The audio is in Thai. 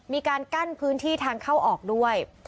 มีการกั้นพื้นที่ทางเข้าออกด้วย